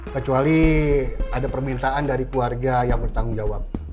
kecuali ada permintaan dari keluarga yang bertanggung jawab